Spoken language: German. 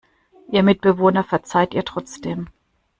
Ihr Mitbewohner verzeiht ihr trotzdem.